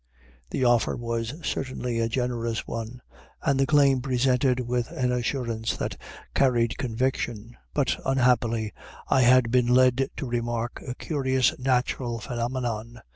The offer was certainly a generous one, and the claim presented with an assurance that carried conviction. But, unhappily, I had been led to remark a curious natural phenomenon.